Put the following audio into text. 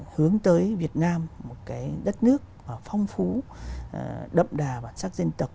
hướng tới việt nam một đất nước phong phú đậm đà và sắc dân tộc